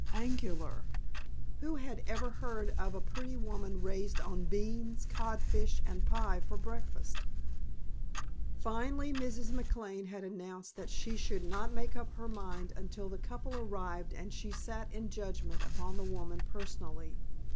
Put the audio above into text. Angular. Who had ever heard of a pretty woman raised on beans, codfish, and pie for breakfast? Finally Mrs. McLane had announced that she should not make up her mind until the couple arrived and she sat in judgment upon the woman personally.